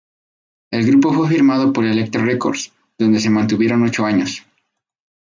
El grupo fue firmado por Elektra Records, donde se mantuvieron ocho años.